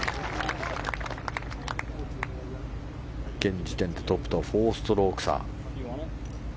現時点でトップと４ストローク差。